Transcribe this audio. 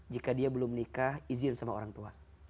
jika dia belum nikah izin sama orang tua